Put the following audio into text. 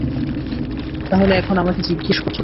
তাহলে এখন আমাকে জিজ্ঞেস করছ কেন?